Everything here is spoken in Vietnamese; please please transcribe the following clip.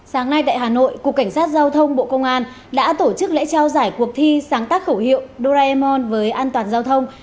sáng nay tại hà nội cục cảnh sát giao thông bộ công an đã tổ chức lễ trao giải cuộc thi sáng tác khẩu hiệu duraemon với an toàn giao thông